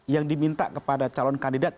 yang diminta kepada calon kandidat